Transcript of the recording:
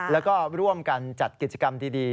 แล้วก็ร่วมกันจัดกิจกรรมดี